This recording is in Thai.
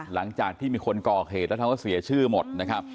หลังจากที่มีคนก่อเหตุแล้วเขาก็เสียชื่อหมดนะครับ